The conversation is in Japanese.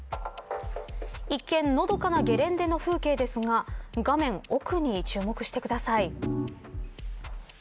一見、のどかなゲレンデの風景ですが画面奥に注目してください。